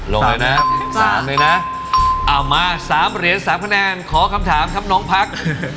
ลงเลยนะ๓เลยนะเอามา๓เหรียญ๓คะแนนขอคำถามครับน้องพัก